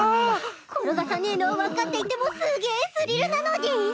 転がさねいのは分かっていてもすげいスリルなのでぃす！